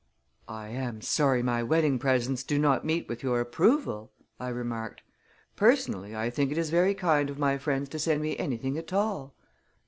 "I am sorry my wedding presents do not meet with your approval," I remarked. "Personally I think it is very kind of my friends to send me anything at all."